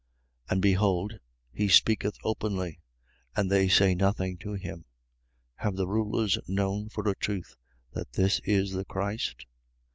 And behold, he speaketh openly: and they say nothing to him. Have the rulers known for a truth that this is the Christ?